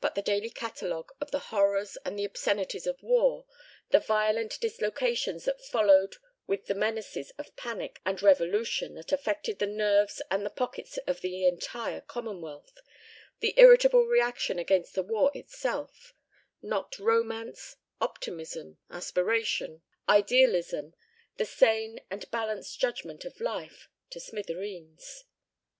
But the daily catalogue of the horrors and the obscenities of war, the violent dislocations that followed with their menaces of panic and revolution that affected the nerves and the pockets of the entire commonwealth, the irritable reaction against the war itself, knocked romance, optimism, aspiration, idealism, the sane and balanced judgment of life, to smithereens.